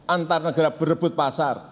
antar negara berebut pasar